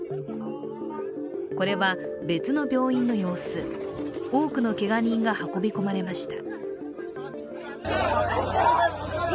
これは別の病院の様子、多くのけが人が運び込まれました。